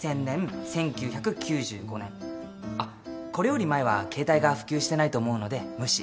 あっこれより前は携帯が普及してないと思うので無視。